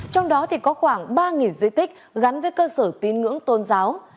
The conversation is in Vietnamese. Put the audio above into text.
trong đó thì có khoảng ba di tích gắn với cơ sở tín ngưỡng tôn giáo